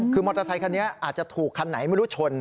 คือมอเตอร์ไซคันนี้อาจจะถูกคันไหนไม่รู้ชน